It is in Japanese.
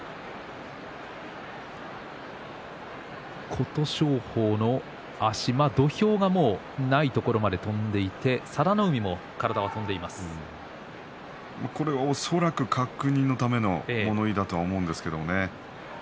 琴勝峰の足土俵がないところまで飛んでいてこれは恐らく確認のための物言いだと思うんですけどもね。